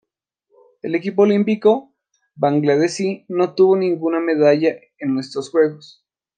El equipo olímpico bangladesí no obtuvo ninguna medalla en estos Juegos.